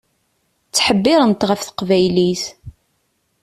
Ttḥebbiṛent ɣef teqbaylit.